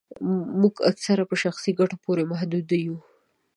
موږ اکثره په شخصي ګټو پوري محدود یو